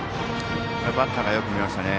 バッターがよく見ましたね。